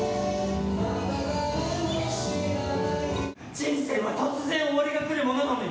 人生は突然終わりが来るものなのに。